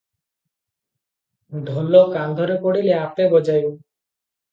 ଢୋଲ କାନ୍ଧରେ ପଡିଲେ ଆପେ ବଜାଇବ ।"